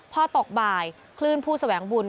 พอตกบ่ายคลื่นผู้แสวงบุญ